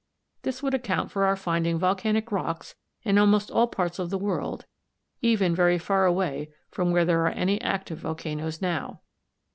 This would account for our finding volcanic rocks in almost all parts of the world, even very far away from where there are any active volcanoes now.